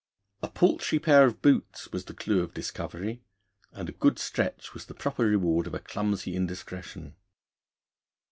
A paltry pair of boots was the clue of discovery, and a goodly stretch was the proper reward of a clumsy indiscretion.